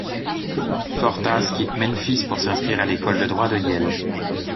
Fortas quitte Memphis pour s'inscrire à l'École de droit de Yale.